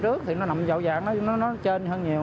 trước thì nó nằm dậu dạng nó trên hơn nhiều